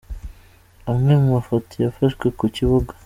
Amwe mu mafoto yafashwe ku kibuga.